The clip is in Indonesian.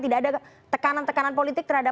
tidak ada tekanan tekanan politik terhadap